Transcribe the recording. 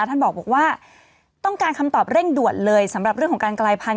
ท่านบอกว่าต้องการคำตอบเร่งด่วนเลยสำหรับเรื่องของการกลายพันธ